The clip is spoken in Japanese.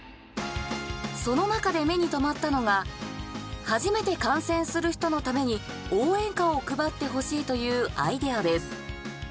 その中で目に留まったのが初めて観戦する人のために応援歌を配ってほしいというアイデアです。